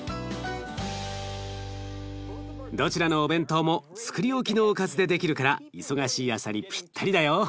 どちらのお弁当もつくり置きのおかずでできるから忙しい朝にぴったりだよ。